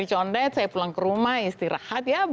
di condet saya pulang ke rumah istirahat ya